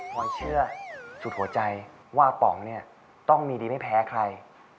พอยเชื่อสุดหัวใจว่าป๋องเนี่ยต้องมีดีไม่แพ้ใคร